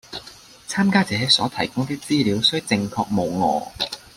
參加者所提供的資料須正確無訛